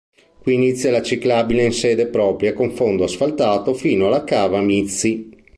Qui inizia la ciclabile in sede propria con fondo asfaltato fino alla cava Mizzi.